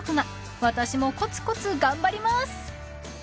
［私もコツコツ頑張ります！］